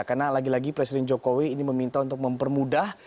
karena lagi lagi presiden jokowi ini meminta untuk mempermudah